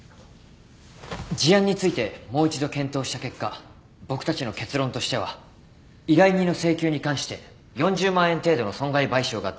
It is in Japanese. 事案についてもう一度検討した結果僕たちの結論としては依頼人の請求に関して４０万円程度の損害賠償が妥当だと考えます。